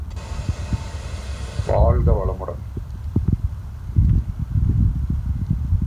அத்தோடு தொழிற்கல்வியும் அவசியம் தேவைன்னு நம்ம ராஜாஜி அவர்கள் சொல்லியிருப்பதைப் பற்றி வாத்தியார் அடிக்கடி எடுத்துக் காட்டியிருக்கிறார்.